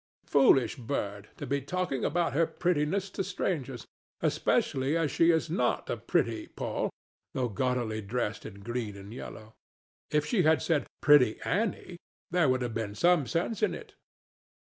Foolish bird, to be talking about her prettiness to strangers, especially as she is not a pretty Poll, though gaudily dressed in green and yellow! If she had said "Pretty Annie!" there would have been some sense in it.